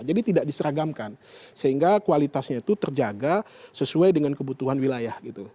jadi tidak diseragamkan sehingga kualitasnya itu terjaga sesuai dengan kebutuhan wilayah gitu